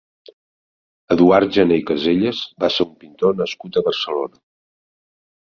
Eduard Jener i Casellas va ser un pintor nascut a Barcelona.